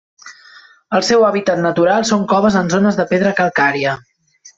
El seu hàbitat natural són coves en zones de pedra calcària.